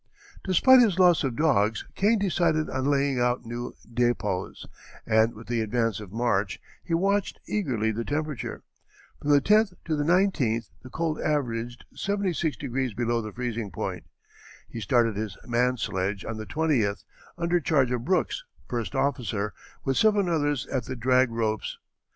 Despite his loss of dogs Kane decided on laying out new depots, and with the advance of March he watched eagerly the temperature. From the 10th to the 19th the cold averaged seventy six degrees below the freezing point. He started his man sledge on the 20th, under charge of Brooks, first officer, with seven others at the drag ropes.